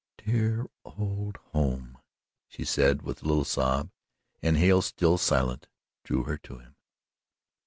"Dear old home," she said, with a little sob, and Hale, still silent, drew her to him.